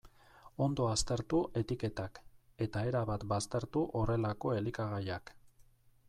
Ondo aztertu etiketak, eta erabat baztertu horrelako elikagaiak.